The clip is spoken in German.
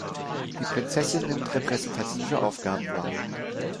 Die Prinzessin nimmt repräsentative Aufgaben wahr.